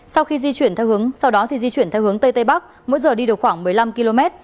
sau khi di chuyển theo hướng sau đó thì di chuyển theo hướng tây tây bắc mỗi giờ đi được khoảng một mươi năm km